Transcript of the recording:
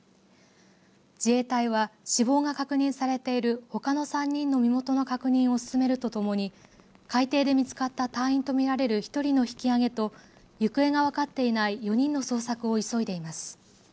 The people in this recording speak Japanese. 自衛隊は死亡が確認されているほかの３人の身元の確認を進めるとともに海底で見つかった隊員と見られる１人の引き上げと行方が分かっていない４人の捜索を急いでいます。